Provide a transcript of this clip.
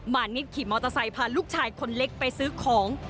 มานิดขี่มอเตอร์ไซค์พาลูกชายคนเล็กไปซื้อของ